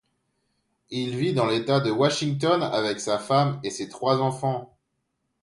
Il vit dans l'État de Washington avec sa femme et ses trois enfants.